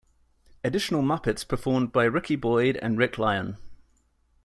Additional Muppets performed by Rickey Boyd and Rick Lyon.